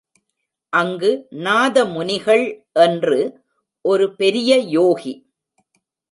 அங்கு நாதமுனிகள் என்று ஒரு பெரிய யோகி.